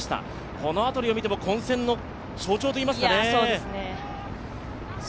この辺りを見ても混戦の象徴となりそうですね。